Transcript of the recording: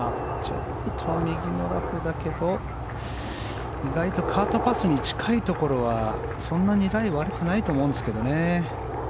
ちょっと右のラフだけど意外とカートパスに近いところはそんなにライは悪くないと思いますがね。